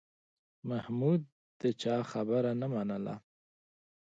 محمود د چا خبره نه منله.